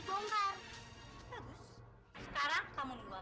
apa maksud kalian